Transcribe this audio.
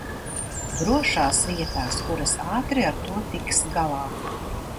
"drošās" vietās, kuras ātri ar to tiks galā.